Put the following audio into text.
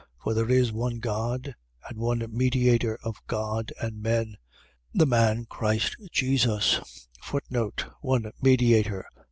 2:5. For there is one God: and one mediator of God and men, the man Christ Jesus: One mediator.